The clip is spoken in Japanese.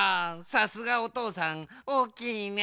さすがおとうさんおおきいね。